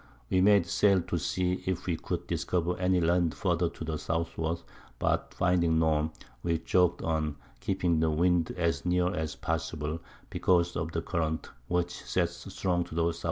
We made Sail to see if we could discover any Land further to the Southward; but finding none, we jogg'd on, keeping the Wind as near as possible, because of the Current, which sets strong to the S.W.